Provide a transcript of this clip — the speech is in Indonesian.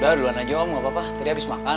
ya duluan aja om gak apa apa tadi habis makan